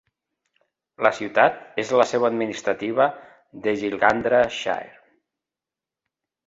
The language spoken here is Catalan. La ciutat és la seu administrativa de Gilgandra Shire.